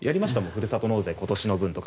ふるさと納税、今年の分とか。